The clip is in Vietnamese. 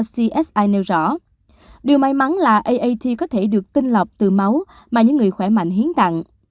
điều may mắn là aat có thể được tinh lọc từ máu mà những người khỏe mạnh hiến tặng